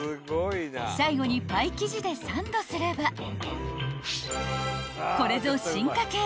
［最後にパイ生地でサンドすればこれぞ進化系